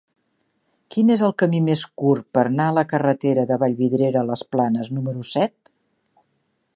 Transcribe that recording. Quin és el camí més curt per anar a la carretera de Vallvidrera a les Planes número set?